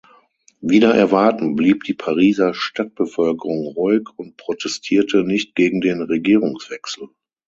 Wider Erwarten blieb die Pariser Stadtbevölkerung ruhig und protestierte nicht gegen den Regierungswechsel.